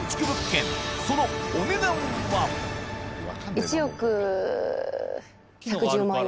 １億１１０万円。